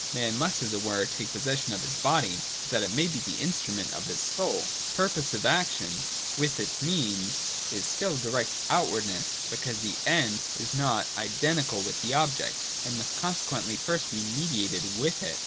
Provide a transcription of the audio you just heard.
Man must, as it were, take possession of his body, so that it may be the instrument of his soul. 209.J (3) Purposive action, with its Means, is still directed outwards, because the End is also not identical with the object, and must consequently first be mediated with it.